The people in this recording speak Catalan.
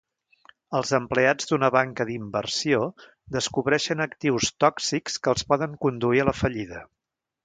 Els empleats d'una banca d'inversió descobreixen actius tòxics que els poden conduir a la fallida.